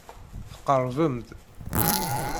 Tqerrbem-d.